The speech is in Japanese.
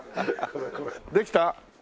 できた？